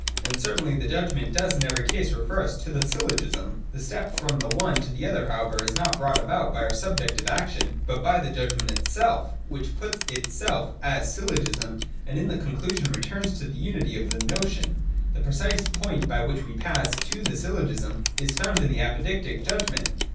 And certainly the judgment does in every case refer us to the Syllogism. The step from the one to the other however is not brought about by our subjective action, but by the judgment itself which puts itself as Syllogism, and in the conclusion returns to the unity of the notiorf. The precise point by which we pass to the Syllogism is found in the Apodictic judgment.